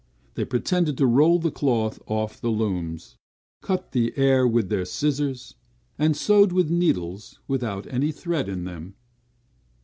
They pretended to roll the cloth off the looms; cut the air with their scissors; and sewed with needles without any thread in them.